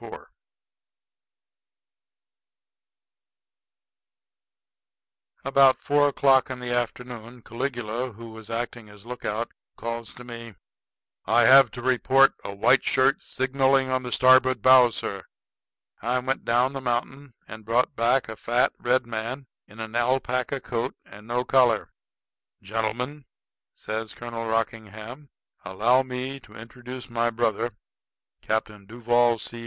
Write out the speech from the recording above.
IV About four o'clock in the afternoon, Caligula, who was acting as lookout, calls to me: "I have to report a white shirt signalling on the starboard bow, sir." I went down the mountain and brought back a fat, red man in an alpaca coat and no collar. "Gentlemen," says Colonel Rockingham, "allow me to introduce my brother, Captain Duval C.